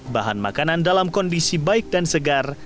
bahan makanan dalam kondisi baik dan segar